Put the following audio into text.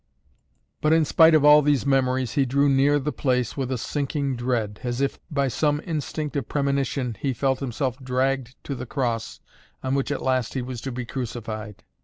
But in spite of all these memories he drew near the place with a sinking dread, as if, by some instinct of premonition, he felt himself dragged to the Cross on which at last he was to be crucified.